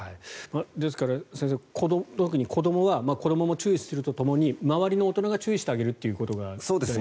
ですから、先生子どもも注意するとともに周りの大人が注意してあげるということが大事ですね。